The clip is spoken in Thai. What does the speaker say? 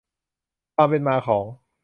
ความเป็นมาของ